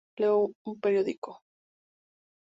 Leo un periódico.